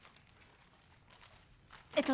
えっと